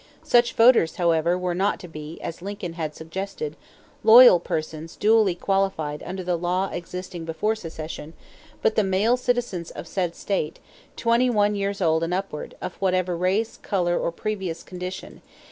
Such voters, however, were not to be, as Lincoln had suggested, loyal persons duly qualified under the law existing before secession but "the male citizens of said state, twenty one years old and upward, of whatever race, color, or previous condition